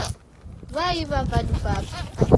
W'aiw'a vadu vapo.